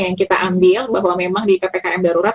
yang kita ambil bahwa memang di ppkm darurat